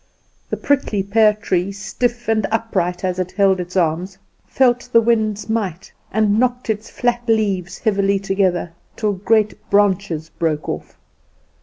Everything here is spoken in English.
The prickly pear tree, stiff and upright as it held its arms, felt the wind's might, and knocked its flat leaves heavily together, till great branches broke off.